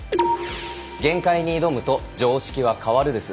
限界に挑むと常識は変わるです。